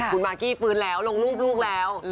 คุณมากกี้ฟื้นแล้วลงรูปลูกแล้ว